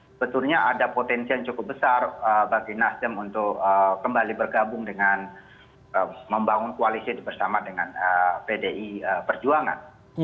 sebetulnya ada potensi yang cukup besar bagi nasdem untuk kembali bergabung dengan membangun koalisi itu bersama dengan pdi perjuangan